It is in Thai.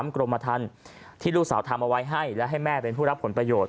กรมธรรมที่ลูกสาวทำเอาไว้ให้และให้แม่เป็นผู้รับผลประโยชน์